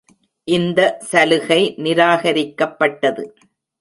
இந்த சலுகை நிராகரிக்கப்பட்டது.